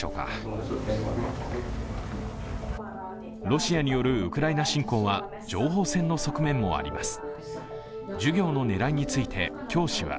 ロシアによるウクライナ侵攻は情報戦の側面もあります。